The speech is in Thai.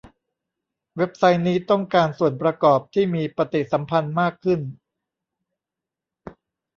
เว็บไซต์นี้ต้องการส่วนประกอบที่มีปฏิสัมพันธ์มากขึ้น